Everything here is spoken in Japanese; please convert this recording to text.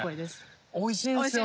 おいしいですよね！